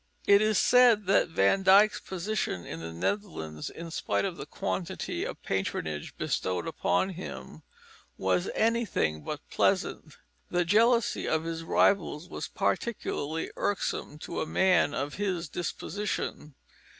It is said that Van Dyck's position in the Netherlands, in spite of the quantity of patronage bestowed upon him, was anything but pleasant. The jealousy of his rivals was particularly irksome to a man of his disposition.